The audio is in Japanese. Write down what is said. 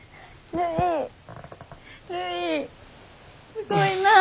すごいなあ。